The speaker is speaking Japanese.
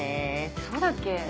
そうだっけ？